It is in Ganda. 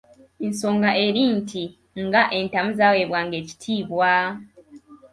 Ensonga eri nti nga entamu zaaweebwanga ekitiibwa.